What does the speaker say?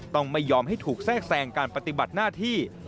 ต้องไม่ยอมให้ถูกแทรกแทรงการปฏิบัติหน้าที่